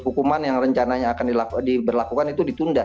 hukuman yang rencananya akan diberlakukan itu ditunda